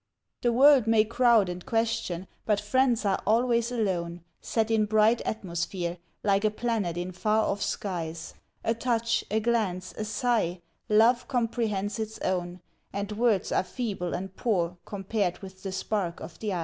The world may crowd and question, but friends are always alone, Set in bright atmosphere, like a planet in far off skies ; A touch, a glance, a sigh, love comprehends its own, And words are feeble and poor compared with the spark of the eyes.